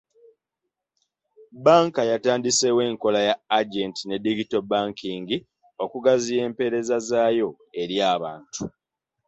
Bbanka yatandiseewo enkola ya agenti ne digito banking okugaziya empereza zaayo eri abantu .